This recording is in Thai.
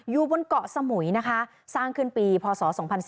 อยู่บนเกาะสมุยนะคะสร้างขึ้นปีพศ๒๔